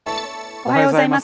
おはようございます。